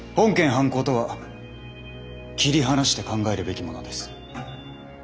犯行とは切り離して考えるべきものです。